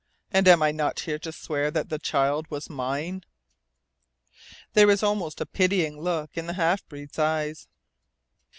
And am I not here to swear that the child was mine?" There was almost a pitying look in the half breed's eyes.